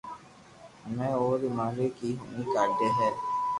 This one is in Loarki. ھمي اپو ري مالڪ اي ھوڻي ڪاڌي ھي